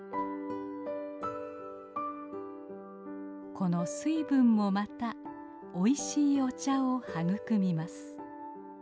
この水分もまたおいしいお茶を育みます。